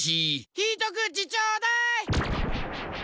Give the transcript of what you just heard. ひとくちちょうだい。